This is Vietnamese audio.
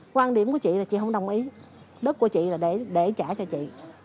quan điểm của chị là chị không đồng ý đất của chị là để trả cho chị